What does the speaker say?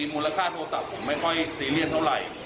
มูลค่าโทรศัพท์ผมไม่ค่อยซีเรียสเท่าไหร่